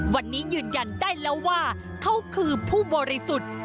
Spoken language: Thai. วันนี้ยืนยันได้แล้วว่าเขาคือผู้บริสุทธิ์